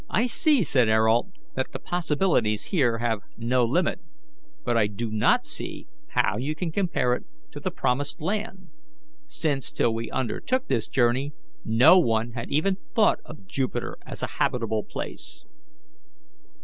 "I see," said Ayrault, "that the possibilities here have no limit; but I do not see how you can compare it to the promised land, since, till we undertook this journey, no one had even thought of Jupiter as a habitable place."